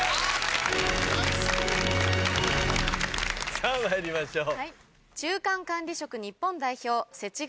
さぁまいりましょう。